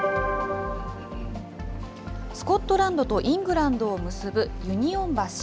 スコットランドとイングランドを結ぶユニオン橋。